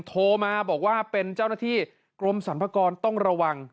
โทรมาบอกว่าเป็นเจ้าหน้าที่กรมสรรพากรต้องระวัง